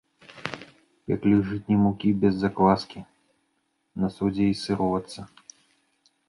Пяклі з жытняй мукі без закваскі, на содзе і сыроватцы.